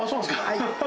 はい。